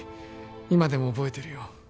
今でも覚えてるよ